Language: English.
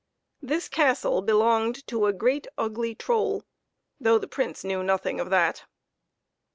This castle belonged to a great, ugly troll, though the Prince knew nothing of that.